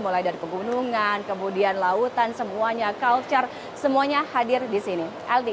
mulai dari pegunungan kemudian lautan semuanya culture semuanya hadir di sini